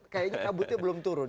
kayaknya kabutnya belum turun